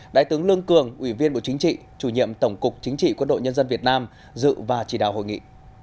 đại tướng lương cường ủy viên bộ chính trị chủ nhiệm tổng cục chính trị quân đội nhân dân việt nam dự và chỉ đạo hội nghị